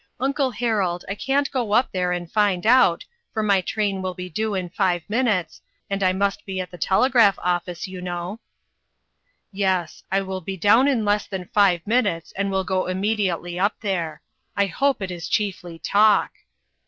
Uncle Harold, I can't go up there and find out, for my train will be due in five minutes, and I must be at the telegraph office, you know. "" Yes ; I will be down in less than five minutes, and will go immediately up there. I hope it is chiefly talk."